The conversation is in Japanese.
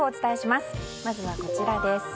まずは、こちらです。